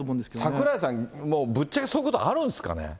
櫻井さん、もうぶっちゃけ、そういうことあるんですかね。